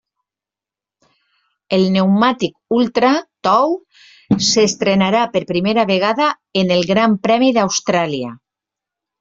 El pneumàtic ultra tou s'estrenarà per primera vegada en el Gran Premi d'Austràlia.